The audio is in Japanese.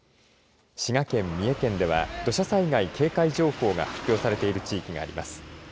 滋賀県、三重県では土砂災害警戒情報が発表されている地域があります。